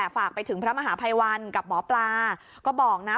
ฝากไปถึงพระมหาภัยวันกับหมอปลาก็บอกนะ